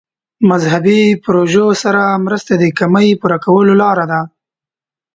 مذهبي پروژو سره مرسته د کمۍ پوره کولو لاره ده.